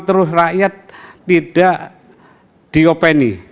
terus rakyat tidak diopeni